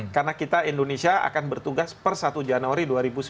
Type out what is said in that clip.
karena kita indonesia akan bertugas per satu januari dua ribu sembilan belas